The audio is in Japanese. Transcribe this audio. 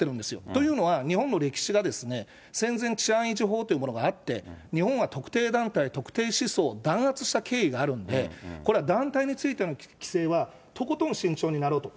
というのは、日本の歴史が戦前、治安維持法というものがあって、日本は特定団体、特定思想を弾圧した経緯があるので、これは団体についての規制はとことん慎重になろうと。